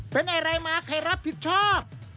เป็นอะไรมาใครรับผิดชอบ